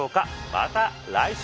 また来週。